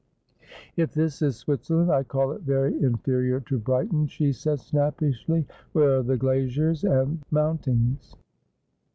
'If this is Switzerland, I call it very inferior to Brighton,' she said snappishly. ' Where are the glaziers and the mount ings